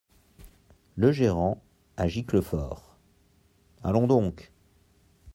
Le Gérant, à Giclefort. — Allons donc ?